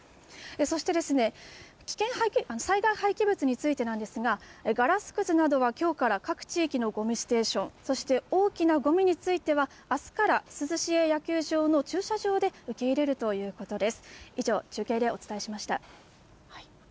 そして、災害廃棄物についてなんですが、ガラスくずなどはきょうから各地域のごみステーション、そして大きなごみについては、あすから珠洲市営野球場の駐車場で受け入れるということです。